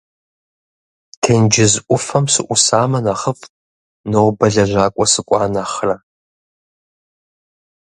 Тенджыз ӏуфэм сыӏусамэ нэхъыфӏт, нобэ лэжьакӏуэ сыкӏуа нэхърэ!